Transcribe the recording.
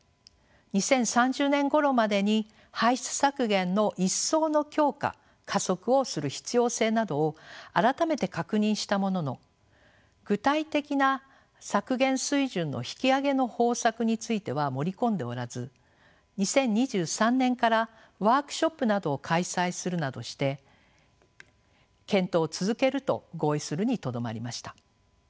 ２０３０年ごろまでに排出削減の一層の強化加速をする必要性などを改めて確認したものの具体的な削減水準の引き上げの方策については盛り込んでおらず２０２３年からワークショップなどを開催するなどして検討を続けると合意するにとどまりました。